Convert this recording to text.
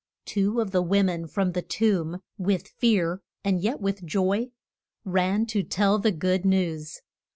Two of the wo men from the tomb, with fear and yet with joy, ran to tell the good news.